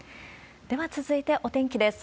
では続いてお天気です。